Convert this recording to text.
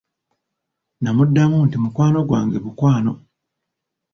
Nnamuddamu nti mukwano gwange bukwano.